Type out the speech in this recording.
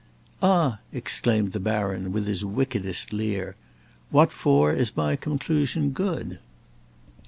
"Ah!" exclaimed the baron, with his wickedest leer, "what for is my conclusion good?